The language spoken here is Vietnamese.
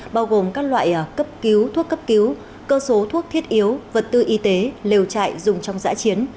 bao gồm các loại cấp cứu thuốc cấp cứu cơ số thuốc thiết yếu vật tư y tế lều trại dùng trong giã chiến